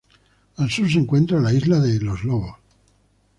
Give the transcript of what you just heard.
Al sur se encuentra la "isla de Lobos".